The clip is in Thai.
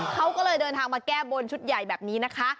เขาก็เลยเดินทางมาแก้บนชุดใหญ่แบบนี้นะคะ